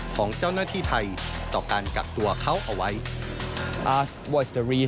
ของเจ้าหน้าที่ไทยต่อการกักตัวเขาเอาไว้